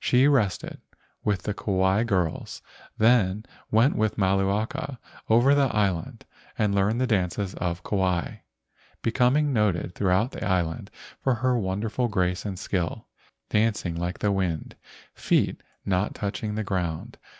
She rested, with the Kauai girls, then went with Malu aka over the island and learned the dances of Kauai, becoming noted throughout the island for her wonderful grace and skill, dancing like the wind, feet not touching the ground.